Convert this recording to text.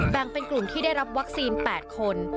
แบ่งเป็นกลุ่มที่ได้รับวัคซีน๘คน